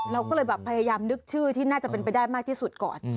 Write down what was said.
เราก็เลยแบบพยายามนึกชื่อที่น่าจะเป็นไปได้มากที่สุดก่อน